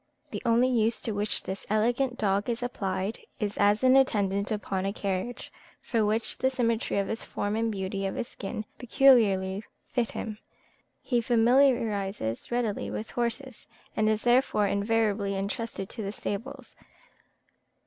The only use to which this elegant dog is applied is as an attendant upon a carriage, for which the symmetry of his form and beauty of his skin peculiarly fit him. He familiarises readily with horses, and is therefore invariably entrusted to the stables.